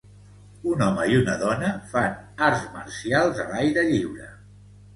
Un home i una dona fan arts marcials a l'aire lliure.